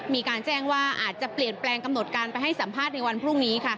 มีการแจ้งว่าอาจจะเปลี่ยนแปลงกำหนดการไปให้สัมภาษณ์ในวันพรุ่งนี้ค่ะ